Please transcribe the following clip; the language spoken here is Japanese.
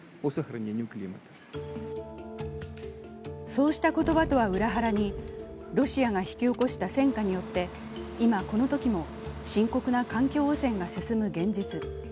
そうした言葉とは裏腹にロシアが引き起こした戦火によって今、この時も深刻な環境汚染が進む現実。